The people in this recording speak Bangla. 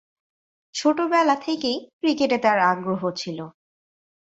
ছোটবেলা থেকেই ক্রিকেটে তার আগ্রহ ছিল।